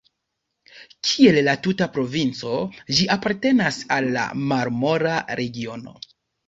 Kiel la tuta provinco, ĝi apartenas al la Marmora regiono.